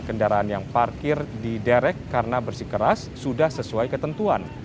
kendaraan yang parkir diderek karena bersih keras sudah sesuai ketentuan